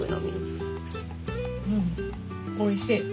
うんおいしい。